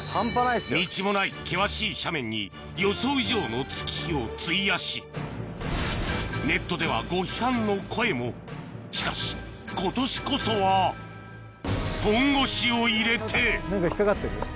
道もない険しい斜面に予想以上の月日を費やしネットではご批判の声もしかし今年こそは本腰を入れて何か引っ掛かってる？